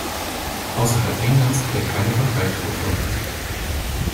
Außerhalb Englands hat er keine Verbreitung gefunden.